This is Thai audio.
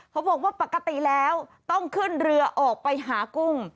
บอกว่าปกติแล้วต้องขึ้นเรือออกไปหากุ้ง